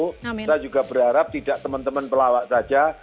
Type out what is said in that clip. kita juga berharap tidak teman teman pelawak saja